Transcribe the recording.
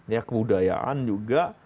ya kebudayaan juga